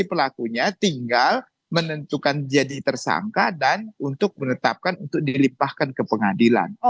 jadi pelakunya tinggal menentukan dia ditersangka dan untuk menetapkan untuk dilimpahkan ke pengadilan